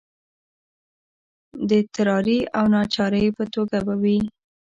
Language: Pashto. د اضطراري او ناچارۍ په توګه به وي.